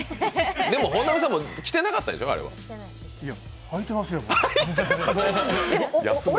でも、本並さんも着てなかったでしょう？